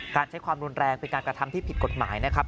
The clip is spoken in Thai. การใช้ความรุนแรงเป็นการกระทำที่ผิดกฎหมายนะครับ